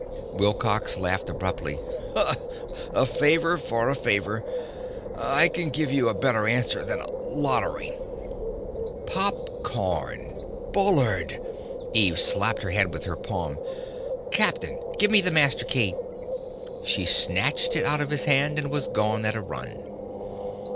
Wilcox laughed abruptly. "A favor for a favor. I can give you a better answer than a lottery." "Pop corn! Bullard!" Eve slapped her head with her palm. "Captain, give me the master key." She snatched it out of his hand and was gone at a run.